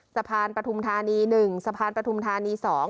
สะพานปฐุมธานี๑สะพานปฐุมธานี๒